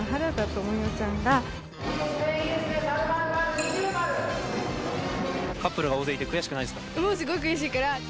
もうすごく悔しいから。